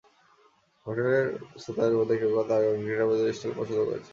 হোটেলের শ্রোতাদের মধ্যে কেউ তাঁর গানে গিটার বাজানোর স্টাইল পছন্দ করেছেন।